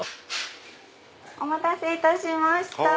お待たせいたしました。